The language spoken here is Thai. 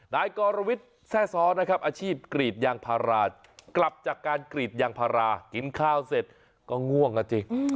นายกรวิทย์แทร่ซ้อนะครับอาชีพกรีดยางพารากลับจากการกรีดยางพารากินข้าวเสร็จก็ง่วงอ่ะจริง